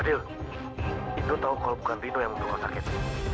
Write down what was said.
adil indro tahu kalau bukan indro yang menunggu sakit